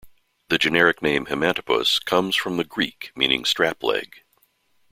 The generic name "Himantopus" comes from the Greek meaning "strap-leg".